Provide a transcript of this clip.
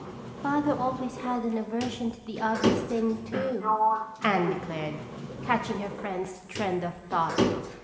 "Father always had an aversion to the obvious thing too," Anne declared, catching her friend's trend of thought.